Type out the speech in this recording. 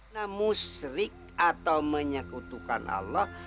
namun syrik atau menyekutukan allah